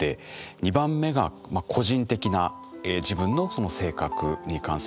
２番目が個人的な自分のその性格に関するものだとか。